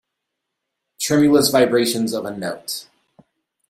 Tremulous vibration of a note.